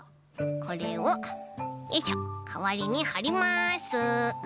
これをよいしょかわりにはります。